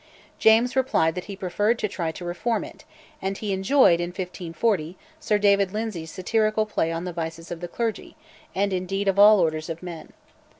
James replied that he preferred to try to reform it; and he enjoyed, in 1540, Sir David Lyndsay's satirical play on the vices of the clergy, and, indeed, of all orders of men.